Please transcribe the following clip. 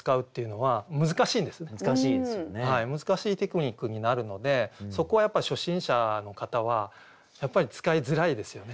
はい難しいテクニックになるのでそこはやっぱ初心者の方はやっぱり使いづらいですよね。